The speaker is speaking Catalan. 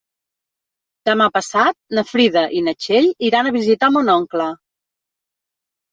Demà passat na Frida i na Txell iran a visitar mon oncle.